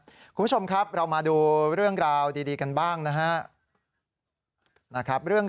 คุณผู้ชมครับเรามาดูเรื่องราวดีกันบ้างนะครับ